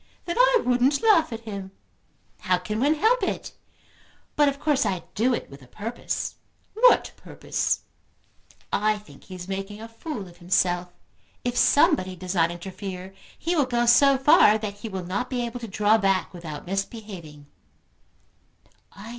"Then I wouldn't laugh at him." "How can one help it? But of course I do it with a purpose." "What purpose?" "I think he is making a fool of himself. If somebody does not interfere he will go so far that he will not be able to draw back without misbehaving."